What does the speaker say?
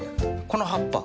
この葉っぱ。